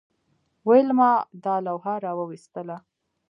ویلما دا لوحه راویستله